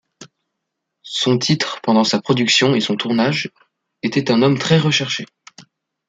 Son titre pendant sa production et son tournage était Un homme très recherché.